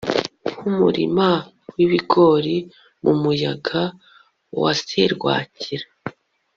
Nkumurima wibigori mumuyaga wa serwakira